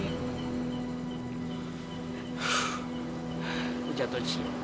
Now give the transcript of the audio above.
aku jatuh cinta